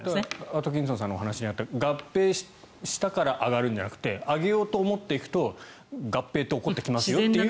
アトキンソンさんのお話にあった合併したから上がるんじゃなくて上げようと思っていくと合併って起こっていきますよという。